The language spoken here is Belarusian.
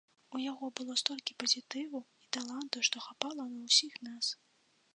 У яго было столькі пазітыву і таланту, што хапала на ўсіх нас.